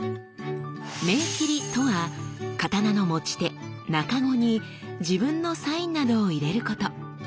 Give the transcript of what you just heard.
銘切りとは刀の持ち手茎に自分のサインなどを入れること。